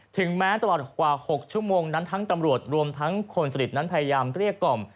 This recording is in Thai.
ถึงแม้ตลอดกว่า๖ชั่วโมงนั้นทั้งตำรวจรวมทั้งคนสนิทนั้นพยายามเกลี้ยกล่อม